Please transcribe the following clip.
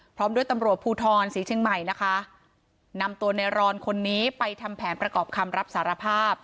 พร้อมด้วยตำรวจภูทรศรีเชียงใหม่นะคะนำตัวในรอนคนนี้ไปทำแผนประกอบคำรับสารภาพ